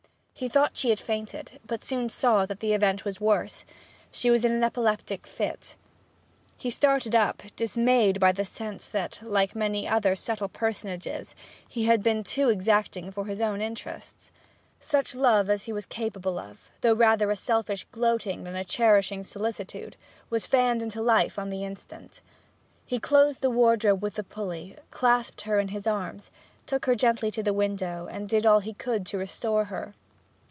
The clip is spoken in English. He thought she had fainted, but soon saw that the event was worse: she was in an epileptic fit. He started up, dismayed by the sense that, like many other subtle personages, he had been too exacting for his own interests. Such love as he was capable of, though rather a selfish gloating than a cherishing solicitude, was fanned into life on the instant. He closed the wardrobe with the pulley, clasped her in his arms, took her gently to the window, and did all he could to restore her.